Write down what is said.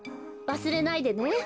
わすれないでね。